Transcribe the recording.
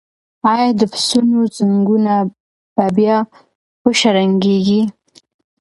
ایا د پسونو زنګونه به بیا وشرنګیږي؟